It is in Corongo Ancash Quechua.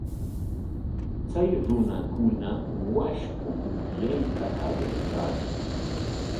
Chay runakuna washku upyayta qallaykaayan.